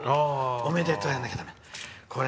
おめでとうやらなきゃ。